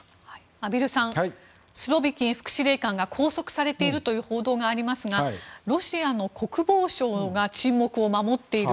畔蒜さんスロビキン副司令官が拘束されているという報道がありますがロシアの国防省が沈黙を守っている。